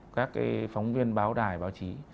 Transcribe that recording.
các phóng viên báo đài báo chí